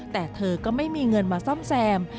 แต่เธอก็ไม่มีเงินมาซ่อมแซม